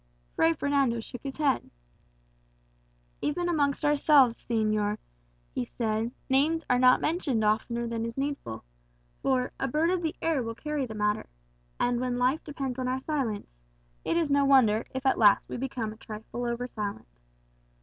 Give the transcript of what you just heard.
Fray Fernando shook his head. "Even amongst ourselves, señor," he said, "names are not mentioned oftener than is needful. For 'a bird of the air will carry the matter;' and when life depends on our silence, it is no wonder if at last we become a trifle over silent.